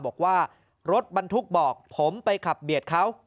บอกว่ารถบรรทุกบอกผมไปขับเบียดเขา